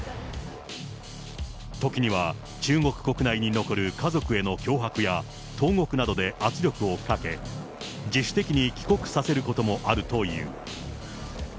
時には中国国内に残る家族への脅迫や投獄などで圧力をかけ、自主的に帰国させることもあるという。